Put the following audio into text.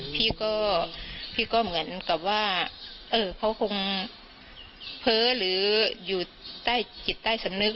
พี่ก็พี่ก็เหมือนกับว่าเขาคงเพ้อหรืออยู่ใต้จิตใต้สำนึก